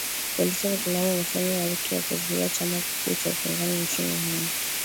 Polisi wa Zimbabwe mwishoni mwa wiki walikizuia chama kikuu cha upinzani nchini humo